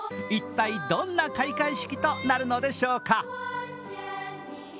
一体どんな開会式となるのでしょうか。